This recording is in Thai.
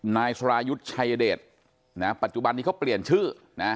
นายสรายุทธ์ชายเดชนะปัจจุบันนี้เขาเปลี่ยนชื่อนะ